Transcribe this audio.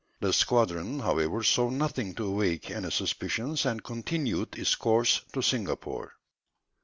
The squadron, however, saw nothing to awake any suspicions, and continued its course to Singapore.